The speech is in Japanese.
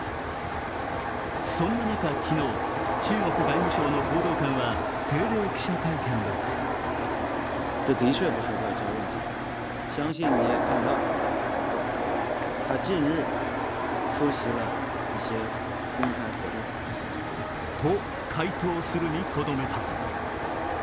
そんな中、昨日、中国外務省の報道官は定例記者会見でと、回答するにとどめた。